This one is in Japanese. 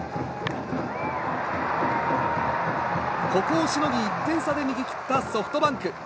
ここをしのぎ１点差で逃げ切ったソフトバンク。